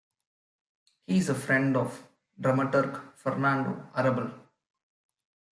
He is a friend of dramaturg Fernando Arrabal.